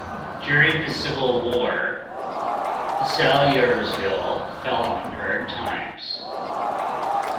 During the Civil War, Salyersville fell on hard times.